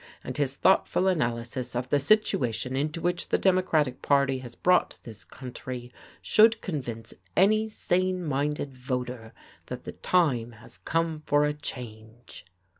And his thoughtful analysis of the situation into which the Democratic party has brought this country should convince any sane minded voter that the time has come for a change."